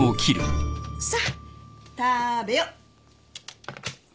さっ食ーべよ。